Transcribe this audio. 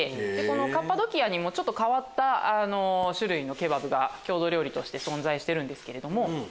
カッパドキアにも変わった種類のケバブが郷土料理として存在してるんですけれども。